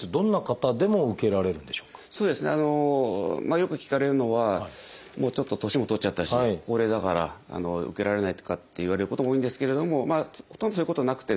よく聞かれるのはもうちょっと年も取っちゃったし高齢だから受けられないとかって言われることも多いんですけれどもまあほとんどそういうことなくてですね